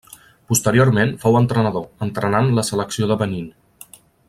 Posteriorment fou entrenador, entrenant la selecció de Benín.